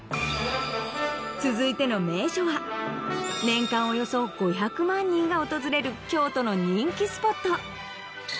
続いての名所は年間およそ５００万人が訪れる京都の人気スポット